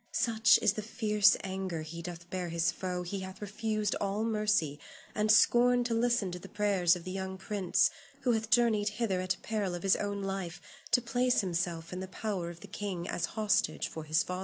Such is the fierce anger he doth bear his foe he hath refused all mercy and scorned to listen to the prayers of the young prince who hath journeyed hither at peril of his own life to place himself in the power of the king as hostage for his father.